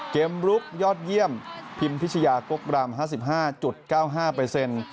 ลุกยอดเยี่ยมพิมพิชยากกรำ๕๕๙๕เปอร์เซ็นต์